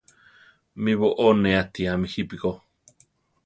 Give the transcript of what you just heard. Mí boʼó ne atíame jípi ko.